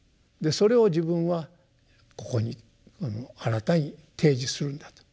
それを自分はここに新たに提示するんだと。